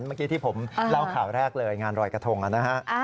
เมื่อกี้ที่ผมเล่าข่าวแรกเลยงานรอยกระทงนะฮะ